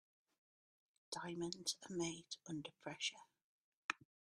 Diamonds are made under pressure.